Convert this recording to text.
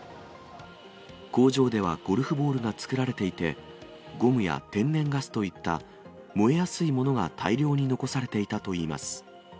工場ではゴルフボールが作られていて、ゴムや天然ガスといった燃えやすいものが大量に残されていたといいます。